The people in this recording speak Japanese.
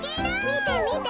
みてみて。